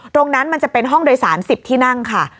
ตรงนั้นมันจะเป็นห้องโดย๓๐ที่นั่งค่ะ